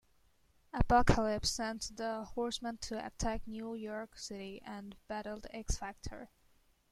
Apocalypse sent the Horsemen to attack New York City, and battled X-Factor.